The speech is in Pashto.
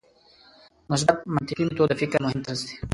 مثبت منطقي میتود د فکر مهم طرز دی.